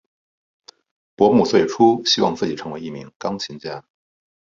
伯姆最初希望自己成为一名钢琴家。